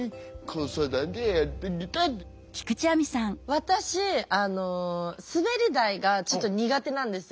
私あの滑り台がちょっと苦手なんですよ。